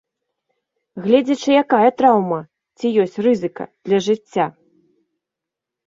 Гледзячы, якая траўма, ці ёсць рызыка для жыцця.